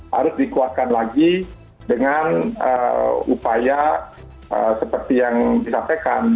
harus dikuatkan lagi dengan upaya seperti yang disampaikan